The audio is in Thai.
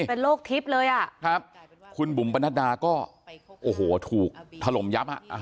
เป็นโรคทิพย์เลยอ่ะครับคุณบุ๋มปนัดดาก็โอ้โหถูกถล่มยับอ่ะ